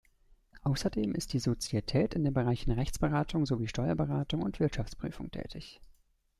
Außerdem ist die Sozietät in den Bereichen Rechtsberatung sowie Steuerberatung und Wirtschaftsprüfung tätig.